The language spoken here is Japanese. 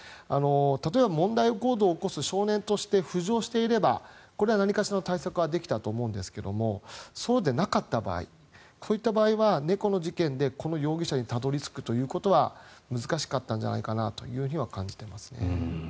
例えば問題行動を起こす少年として浮上していればこれは何かしらの対策はできたと思うんですけどもそうでなかった場合そういった場合は猫の事件でこの容疑者にたどり着くということは難しかったんじゃないかとは感じてますね。